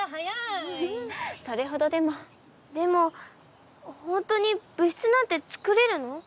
それほどでもほんとに部室なんて作れるの？